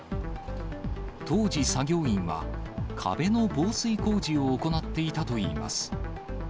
当時、作業員は壁の防水工事を行っていたといいます。